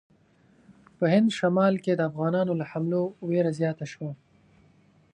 په هند شمال کې د افغانانو له حملو وېره زیاته شوه.